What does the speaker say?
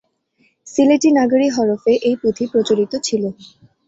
সিলেটি নাগরী হরফে এই পুঁথি প্রচলিত ছিল।